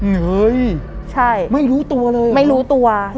เงยใช่ไม่รู้ตัวเลยไม่รู้ตัว